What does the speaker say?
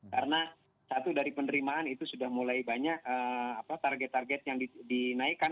karena satu dari penerimaan itu sudah mulai banyak target target yang dinaikkan